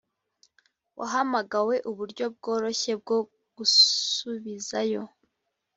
wahamagawe uburyo bworoshye bwo gusubizayo